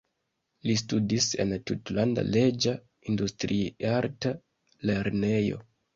Li studis en Tutlanda Reĝa Industriarta Lernejo.